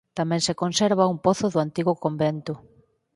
Tamén se conserva un pozo do antigo convento.